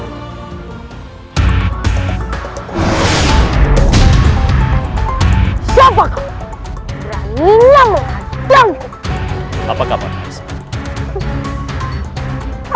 aku harus mencari tahu